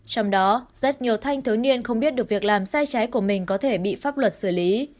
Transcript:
trong đó rất nhiều thanh thiếu niên không biết được việc làm sai trái của mình có thể bị pháp luật xử lý